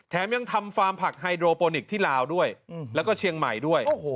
ยังทำฟาร์มผักไฮโดโปนิคที่ลาวด้วยแล้วก็เชียงใหม่ด้วย